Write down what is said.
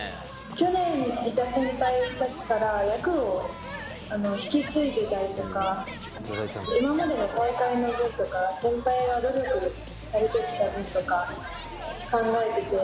去年いた先輩たちから役を引き継いでたりとか今までの大会の分とか先輩が努力されてきた分とか考えてて。